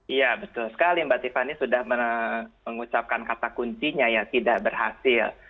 iya betul sekali mbak tiffany sudah mengucapkan kata kuncinya ya tidak berhasil